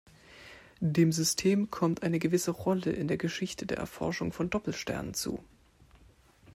Dem System kommt eine gewisse Rolle in der Geschichte der Erforschung von Doppelsternen zu.